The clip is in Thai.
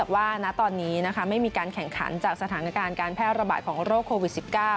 ว่าณตอนนี้ไม่มีการแข่งขันจากสถานการณ์การแพร่ระบาดของโรคโควิด๑๙